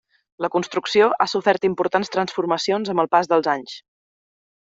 La construcció ha sofert importants transformacions amb el pas dels anys.